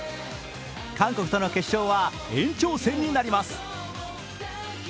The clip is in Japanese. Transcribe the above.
韓国との決勝は延長戦になります。